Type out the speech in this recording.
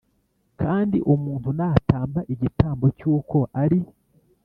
Kandi umuntu natamba igitambo cy uko ari